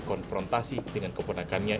konfrontasi dengan keponakannya